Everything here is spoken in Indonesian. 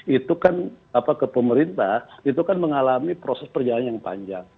itu kan ke pemerintah mengalami proses perjalanan yang panjang